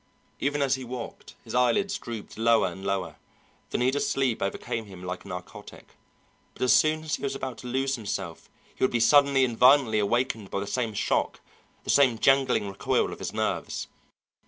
Even as he walked, his eyelids drooped lower and lower. The need of sleep overcame him like a narcotic, but as soon as he was about to lose himself he would be suddenly and violently awakened by the same shock, the same jangling recoil of his nerves.